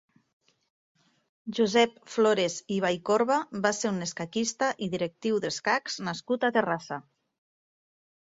Josep Flores i Vallcorba va ser un escaquista i directiu d'escacs nascut a Terrassa.